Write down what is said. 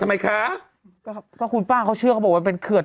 ทำไมคะก็ครับก็คุณป้าเขาเชื่อเขาบอกว่าเป็นเขือด